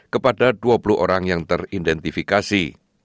kepada dua puluh orang yang teridentifikasi